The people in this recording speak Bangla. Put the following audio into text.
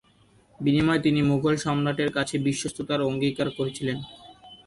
বিনিময়ে, তিনি মুঘল সম্রাটের কাছে বিশ্বস্ততার অঙ্গীকার করেছিলেন।